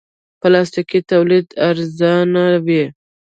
پلاستيکي تولید ارزانه وي.